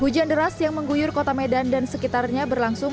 hujan deras yang mengguyur kota medan dan sekitarnya berlangsung